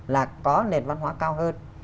là có nền văn hóa cao hơn